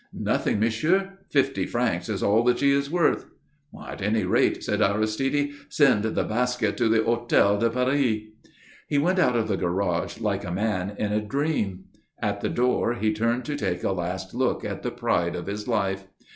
"Nothing, monsieur. Fifty francs is all that she is worth." "At any rate," said Aristide, "send the basket to the Hôtel de Paris." He went out of the garage like a man in a dream. At the door he turned to take a last look at the Pride of his Life.